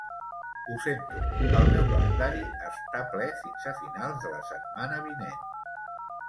Ho sento, el meu calendari està ple fins a finals de la setmana vinent.